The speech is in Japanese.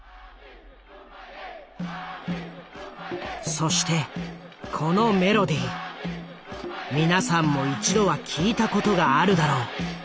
そしてこのメロディー皆さんも一度は聞いたことがあるだろう。